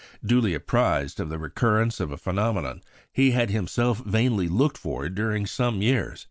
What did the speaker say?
Duly apprised of the recurrence of a phenomenon he had himself vainly looked for during some years, M.